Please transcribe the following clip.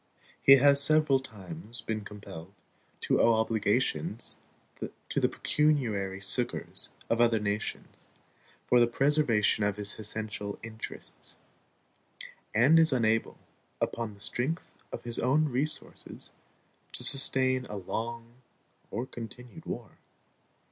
He has several times been compelled to owe obligations to the pecuniary succors of other nations for the preservation of his essential interests, and is unable, upon the strength of his own resources, to sustain a long or continued war.